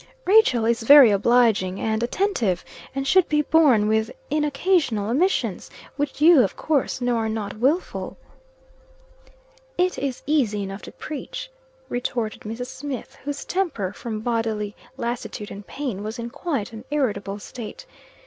Rachel is very obliging and attentive, and should be borne with in occasional omissions, which you of course know are not wilful." "It is easy enough to preach," retorted Mrs. Smith, whose temper, from bodily lassitude and pain, was in quite an irritable state.